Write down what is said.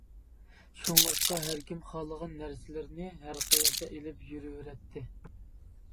شۇڭلاشقا ھەر كىم خالىغان نەرسىلىرىنى ھەر قەيەردە ئېلىپ يۈرۈۋېرەتتى.